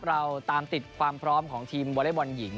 เราตามติดความพร้อมของทีมวอเล็กบอลหญิง